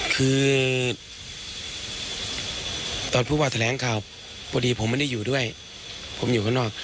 คือตอนผู้ว่าแถลงข่าวพอดีผมไม่ได้อยู่ด้วยผมอยู่ข้างนอก